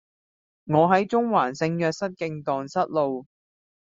我喺中環聖若瑟徑盪失路